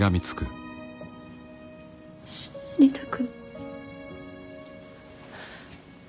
死にたく。